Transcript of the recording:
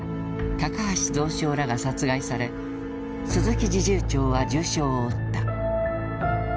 高橋蔵相らが殺害され鈴木侍従長は重傷を負った。